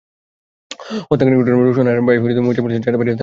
হত্যাকাণ্ডের ঘটনায় রওশন আরার ভাই মোজাম্মেল হোসেন যাত্রাবাড়ী থানায় মামলা করেন।